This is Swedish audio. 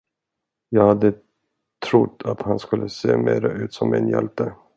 Jag hade trott att han skulle se mera ut som en hjälte.